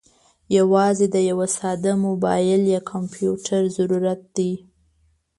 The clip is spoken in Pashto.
یوازې د یوه ساده موبايل یا کمپیوټر ضرورت دی.